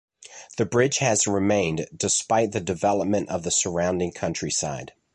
The bridge has remained despite the development of the surrounding countryside.